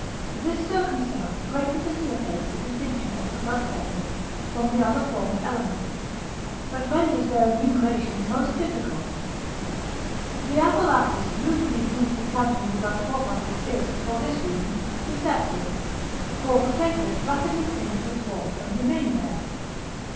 This circumstance greatly facilitates the distinction of the blood platelets from the other formed elements, but renders their enumeration most difficult. The apparatus usually used for counting the blood corpuscles is, for this reason, deceptive; for the platelets rapidly cling to its walls and remain there.